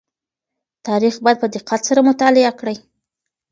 تاريخ بايد په دقت سره مطالعه کړئ.